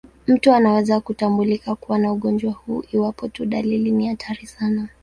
Mtu anaweza kutambulika kuwa na ugonjwa huu iwapo tu dalili ni hatari sana.